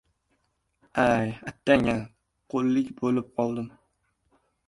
Ay, attang-a, qo‘llik bo‘lib qoldim.